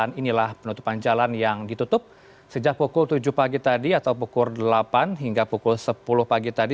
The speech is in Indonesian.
dan inilah penutupan jalan yang ditutup sejak pukul tujuh pagi tadi atau pukul delapan hingga pukul sepuluh pagi tadi